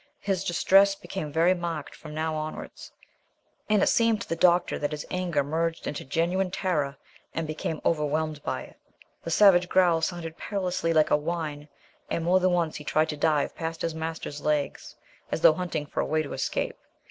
His distress became very marked from now onwards, and it seemed to the doctor that his anger merged into genuine terror and became overwhelmed by it. The savage growl sounded perilously like a whine, and more than once he tried to dive past his master's legs, as though hunting for a way of escape.